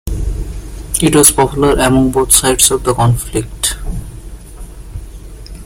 It was popular among both sides of the conflict.